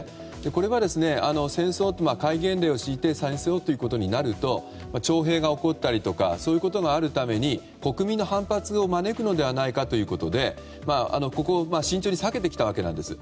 これは、戒厳令を敷いて戦争ということになると徴兵が起こったりとかそういうことがあるために国民の反発を招くのではないかということでここを慎重に避けてきたわけなんです。